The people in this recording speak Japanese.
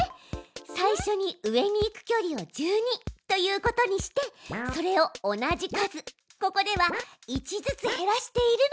最初に上に行く距離を１２ということにしてそれを同じ数ここでは１ずつ減らしているのよ。